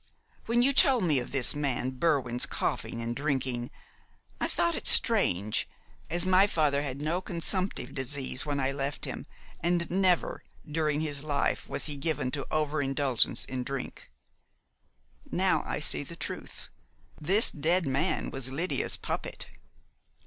When you told me of this man Berwin's coughing and drinking, I thought it strange, as my father had no consumptive disease when I left him, and never, during his life, was he given to over indulgence in drink. Now I see the truth. This dead man was Lydia's puppet."